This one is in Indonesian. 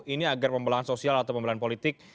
ini agar pembelahan sosial atau pembelahan politik